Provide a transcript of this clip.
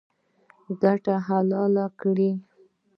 ګټه حلاله کړئ